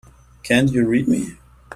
Can't you read me?